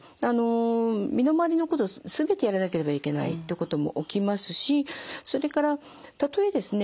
身の回りのことを全てやらなければいけないっていうことも起きますしそれからたとえですね